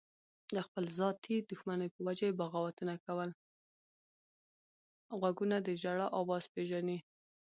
غوږونه د ژړا اواز پېژني